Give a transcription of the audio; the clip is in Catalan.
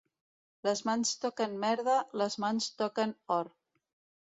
Les mans toquen merda, les mans toquen or.